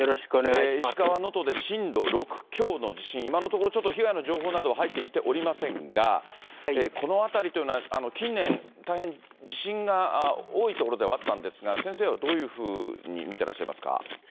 震度６強の地震、今のところちょっと被害の情報などは入ってきておりませんが、この辺りというのは、近年、大変地震が多い所ではあったんですが、先生はどういうふうに見てらっしゃいますか。